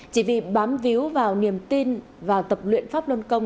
chỉ vì bám víu vào niềm tin và tập luyện pháp luân công